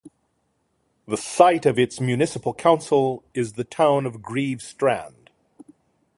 The site of its municipal council is the town of Greve Strand.